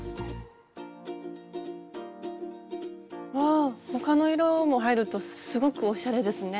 あ他の色も入るとすごくおしゃれですね。